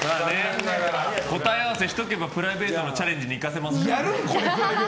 答え合わせしとけばプライベートのチャレンジにいかせますよ。